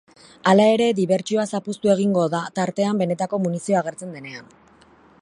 Hala ere, dibertsioa zapuztu egingo da tartean benetako munizioa agertzen denean.